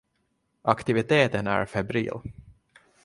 Aktiviteten är febril.